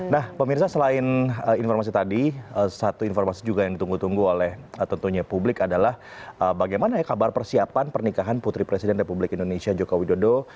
nah pemirsa selain informasi tadi satu informasi juga yang ditunggu tunggu oleh tentunya publik adalah bagaimana ya kabar persiapan pernikahan putri presiden republik indonesia joko widodo